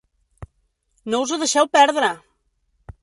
No us ho deixeu perdre!